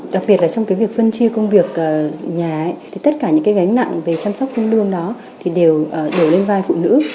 đặc biệt là trong cái việc phân chia công việc nhà ấy thì tất cả những cái gánh nặng về chăm sóc công đương đó thì đều lên vai phụ nữ